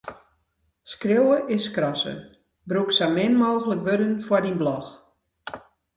Skriuwe is skrasse: brûk sa min mooglik wurden foar dyn blog.